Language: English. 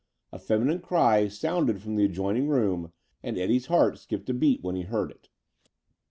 A feminine cry sounded from the adjoining room and Eddie's heart skipped a beat when he heard it.